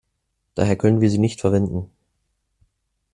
Daher können wir sie nicht verwenden.